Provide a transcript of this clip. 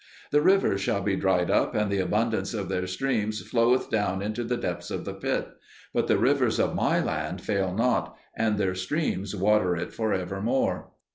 "The rivers shall be dried up, and the abundance of their streams floweth down into the depths of the pit; but the rivers of my land fail not, and their streams water it for evermore.